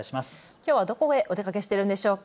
きょうはどこへお出かけしているんでしょうか。